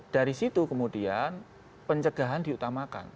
dari situ kemudian pencegahan diutamakan